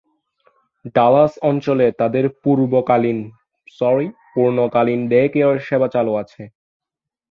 Dallas অঞ্চলে তাদের পূর্ণকালীন 'ডে-কেয়ার' সেবা চালু আছে।